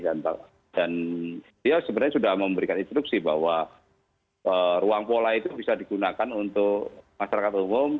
dan dia sebenarnya sudah memberikan instruksi bahwa ruang pola itu bisa digunakan untuk masyarakat umum